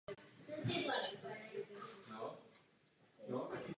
Plukovníkovi Kaddáfímu je třeba ukázat, že nemůže bombardovat libyjská města.